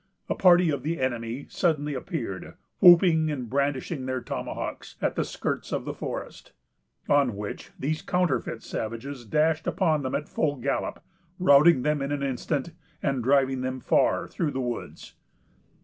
A party of the enemy suddenly appeared, whooping and brandishing their tomahawks, at the skirts of the forest; on which these counterfeit savages dashed upon them at full gallop, routing them in an instant, and driving them far through the woods.